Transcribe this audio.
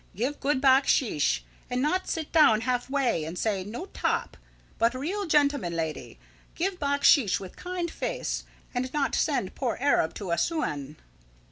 Give good backsheesh, and not sit down halfway and say: `No top'! But real lady gentleman! Give backsheesh with kind face, and not send poor Arab to Assouan."